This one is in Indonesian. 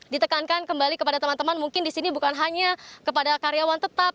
ditekankan kembali kepada teman teman mungkin di sini bukan hanya kepada karyawan tetap